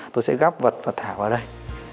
tôi sẽ gắp vật và thả vào đây